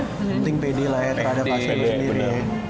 penting pede lah ya terhadap aset lu sendiri